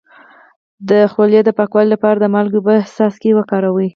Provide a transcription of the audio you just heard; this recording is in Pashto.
د خولې د پاکوالي لپاره د مالګې او اوبو څاڅکي وکاروئ